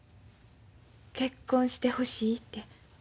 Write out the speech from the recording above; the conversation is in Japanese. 結婚してほしいて。